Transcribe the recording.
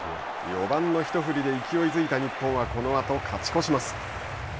４番の一振りで勢いづいた日本はこのあと勝ち越します。